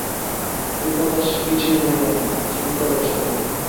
বিপ্রদাস কিছুই বললে না, চুপ করে বসে রইল।